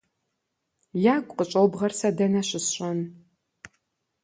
- Ягу къыщӀобгъэр сэ дэнэ щысщӀэн?